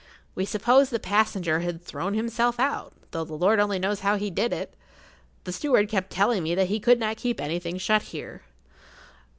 We supposed the passenger had thrown himself out, though the Lord only knows how he did it. The steward kept telling me that he could not keep anything shut here.